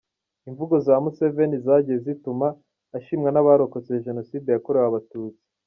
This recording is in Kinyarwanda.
Imvugo za Museveni zagiye zituma ashimwa n’abarokose Jenoside yakorewe Abatutsi.